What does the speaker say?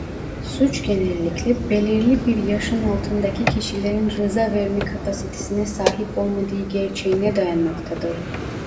Suç genellikle belirli bir yaşın altındaki kişilerin rıza verme kapasitesine sahip olmadığı gerçeğine dayanmaktadır.